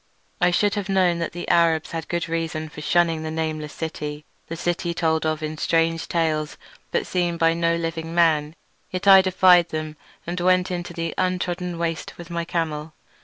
I should have known that the Arabs had good reason for shunning the nameless city, the city told of in strange tales but seen by no living man, yet I defied them and went into the untrodden waste with my camel.